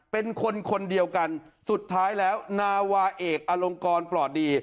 เป็นคนคนเดียวกันสุดท้ายแล้วนาวาเอกอลงกรปลอดดี